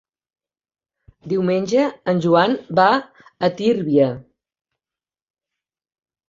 Diumenge en Joan va a Tírvia.